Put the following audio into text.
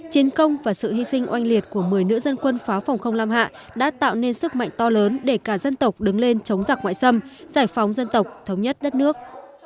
chiến công và sự hy sinh oanh liệt của một mươi nữ dân quân pháo phòng không lam hạ đã tạo nên sức mạnh to lớn để cả dân tộc đứng lên chống giặc ngoại xâm giải phóng dân tộc thống nhất đất nước